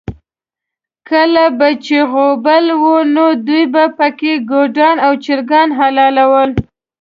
کله به چې غوبل و، نو دوی به پکې ګډان او چرګان حلالول.